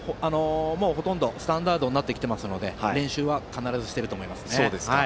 スタンダードになってきていますので練習は必ずしていると思いますね。